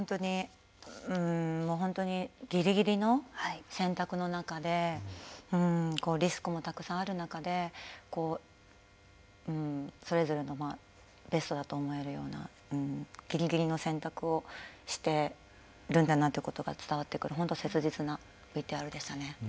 本当にぎりぎりの選択の中でリスクもたくさんある中でそれぞれのベストだと思えるようなぎりぎり選択をしてるんだなということが伝わってくる本当に切実なＶＴＲでしたね。